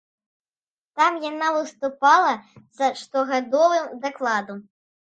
Там яна выступала са штогадовым дакладам.